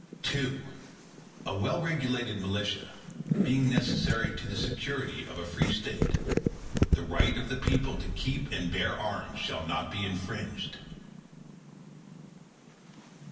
II A well regulated militia, being necessary to the security of a free State, the right of the people to keep and bear arms, shall not be infringed.